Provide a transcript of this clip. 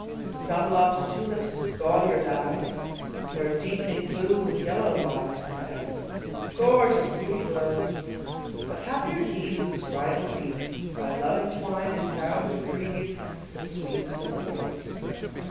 Some love the tulip's gaudier dyes, Where deepening blue with yellow vies, And gorgeous beauty glows; But happier he, whose bridal wreath, By love entwined, is found to breathe The sweetness of the rose.